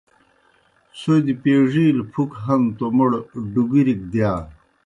څھوْدیْ پیڙِیلہ پُھک ہنہ توْ موْڑ ڈُگُرِک دِیا۔